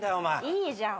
いいじゃん